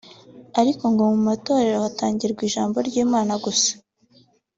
ariko ngo mu matorero hatangirwa ijambo ry’Imana gusa